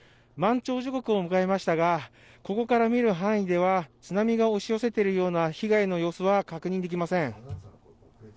満潮時刻を迎えましたが、ここから見る範囲では、津波が押し寄せているような被害の様子は確認できません。